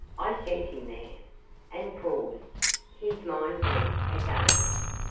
I sent him there " and paused, his mind blank again.